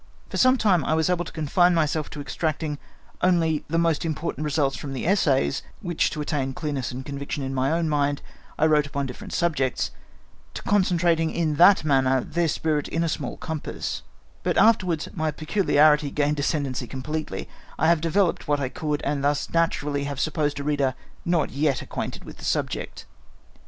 For some time I was able to confine myself to extracting only the most important results from the essays, which, to attain clearness and conviction in my own mind, I wrote upon different subjects, to concentrating in that manner their spirit in a small compass; but afterwards my peculiarity gained ascendency completely—I have developed what I could, and thus naturally have supposed a reader not yet acquainted with the subject.